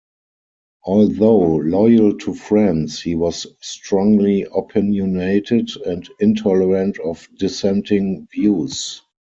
Although loyal to friends, he was strongly opinionated and intolerant of dissenting views.